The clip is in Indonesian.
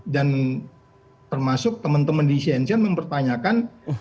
dan termasuk teman teman di cnc mempertanyakan